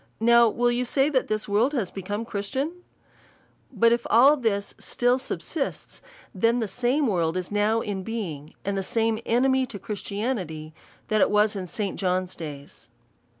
Now will you say, that this world is be come Christian ? But if all this still subsists, then the .same world is now in being, and the same enemy to Christianity, that was in St Johns days.